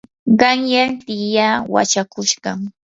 qanyan tiyaa wachakushqam.